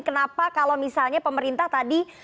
kenapa kalau misalnya pemerintah tadi